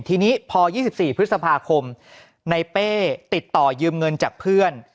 ทีนี้พอ๒๔พฤษภาคมในเป้ติดต่อยืมเงินจากเพื่อน